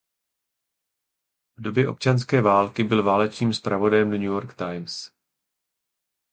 V době občanské války byl válečným zpravodajem „The New York Times“.